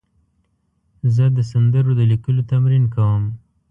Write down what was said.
زه د سندرو د لیکلو تمرین کوم.